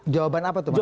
jawaban apa tuh mas